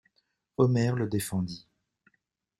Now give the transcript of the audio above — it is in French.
Omer le défendit.